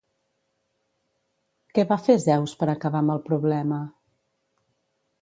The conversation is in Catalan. Què va fer Zeus per acabar amb el problema?